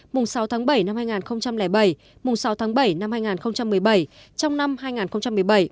mùng sáu tháng bảy năm hai nghìn bảy mùng sáu tháng bảy năm hai nghìn một mươi bảy trong năm hai nghìn một mươi bảy